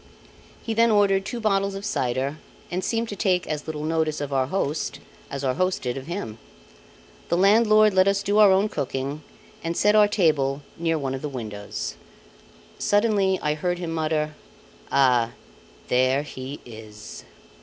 He then ordered two bottles of cider, and seemed to take as little notice of our host as our host did of him. The landlord let us do our own cooking and set our table near one of the windows. Suddenly I heard him mutter: "Ah! there he is."